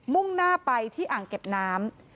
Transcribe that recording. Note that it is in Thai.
่งหน้าไปที่อ่างเก็บน้ำ